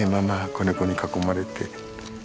子ネコに囲まれて。